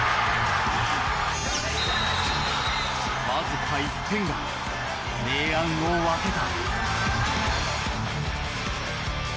わずか１点が明暗を分けた。